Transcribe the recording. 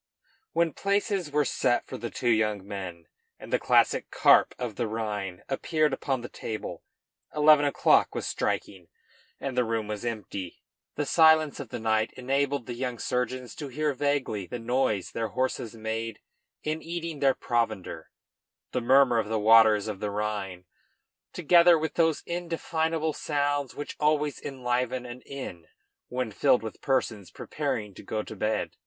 When places were set for the two young men, and the classic carp of the Rhine appeared upon the table, eleven o'clock was striking and the room was empty. The silence of night enabled the young surgeons to hear vaguely the noise their horses made in eating their provender, and the murmur of the waters of the Rhine, together with those indefinable sounds which always enliven an inn when filled with persons preparing to go to bed.